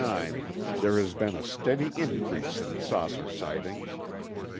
Since 1949 there has been a steady increase in saucer sightings.